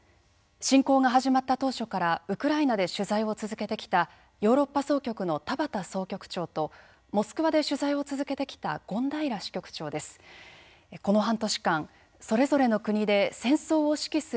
侵攻が始まった当初からウクライナで取材を続けてきたヨーロッパ総局の田端総局長とモスクワで取材を続けてきた権平支局長です。